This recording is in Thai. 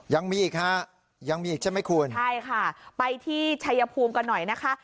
ยังมีอีกฮะยังมีอีกใช่ไหมคุณใช่ค่ะไปที่ชัยภูมิกันหน่อยนะคะ